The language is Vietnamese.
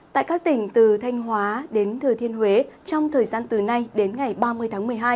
tại các tỉnh từ thanh hóa đến thừa thiên huế trong thời gian từ nay đến ngày ba mươi tháng một mươi hai